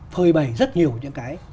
phơi bày rất nhiều những cái